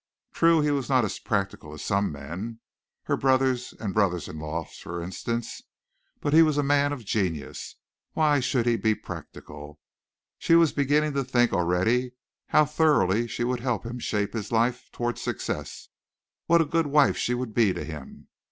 True, he was not as practical as some men her brothers and brothers in law, for instance but he was a man of genius. Why should he be practical? She was beginning to think already of how thoroughly she would help him shape his life toward success what a good wife she would be to him.